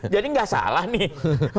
jadi tidak salah nih